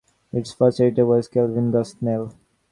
Its first editor was Kelvin Gosnell.